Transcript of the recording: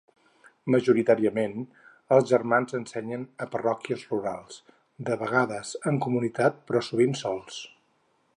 Majoritàriament, els germans ensenyen a parròquies rurals, de vegades en comunitat, però sovint sols.